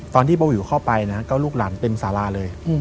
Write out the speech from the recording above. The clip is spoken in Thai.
ตอนที่เบาวิวเข้าไปนะก็ลูกหลานเต็มสาราเลย